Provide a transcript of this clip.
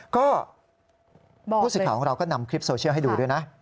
ก็ผู้สิทธิ์ของเราก็นำคลิปโซเชียลให้ดูด้วยนะ